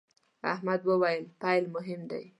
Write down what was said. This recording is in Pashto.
احمد وويل: پیل مهم دی.